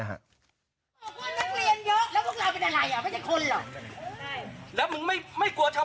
ใช่ครับ